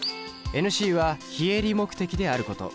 ＮＣは非営利目的であること。